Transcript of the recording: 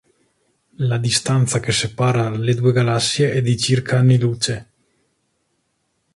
La distanza che separa le due galassie è di circa anni luce.